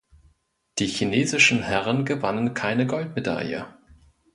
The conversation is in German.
Die chinesischen Herren gewannen keine Goldmedaille.